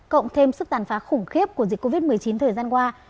cộng thêm sức tàn phá khủng khiếp của dịch covid một mươi chín thời gian qua